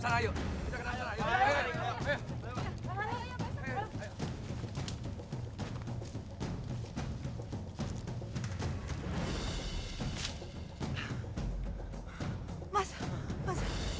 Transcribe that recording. tadi tuh balik kesini kok